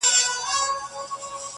د غزل عنوان مي ورکي و ښکلا ته،